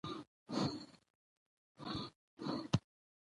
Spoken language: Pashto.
د پیسو د انتقال لپاره نور اوږدو کتارونو ته اړتیا نشته.